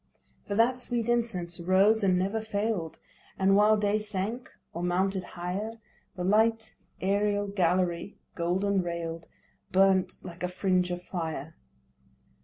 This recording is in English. For that sweet incense rose and never fail'd, And, while day sank or mounted higher, The light aerial gallery, golden rail'd, Burnt like a fringe of fire.